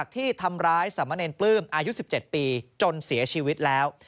ที่ทำร้ายสามเณรปลื้มอายุ๑๗ปีจนเสียชีวิตแล้ว